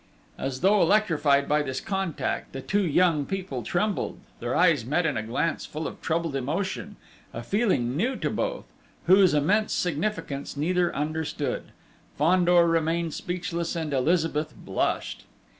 As though electrified by this contact, the two young people trembled, their eyes met in a glance full of troubled emotion a feeling new to both whose immense significance neither understood. Fandor remained speechless, and Elizabeth blushed.